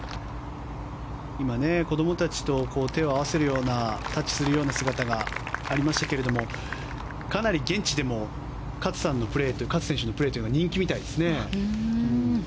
今、子供たちと手を合わせるようなタッチするような姿がありましたけどかなり現地でも勝選手のプレーというのは人気みたいですね。